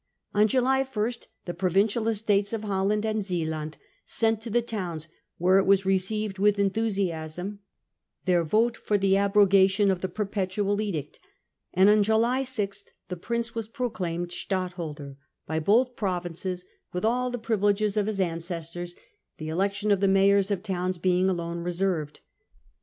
On July I the Provincial Estates of Holland and Zealand sent to the Abrogation towns, where it was received with enthusiasm, Perpetual ^eir vote f° r t ^ ie abrogation of the Perpetual Edict. Edict ; and on J uly 6 the Prince was proclaimed Stadtholder by both provinces, with all the privileges of his ancestors, the election of the mayors of towns being alone reserved.